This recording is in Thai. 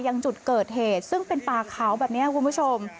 ยังจุดเกิดเหตุซึ่งเป็นป่าเขาแบบนี้คุณผู้ชม